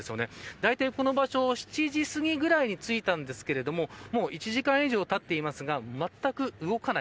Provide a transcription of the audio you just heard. だいたい、この場所７時すぎぐらいに着いたんですがもう１時間以上たっていますがまったく動かない。